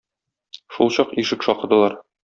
Шулчак ишек шакыдылар.